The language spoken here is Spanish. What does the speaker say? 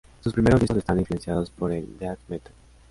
Sus primeros discos están influenciados por el death metal.